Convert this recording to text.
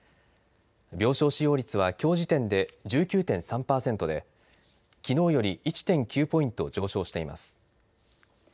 病床使用率はきょう時点で１９．３％できのうより１．９ポイント上昇しています。